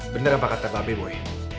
bener apa kata babe boy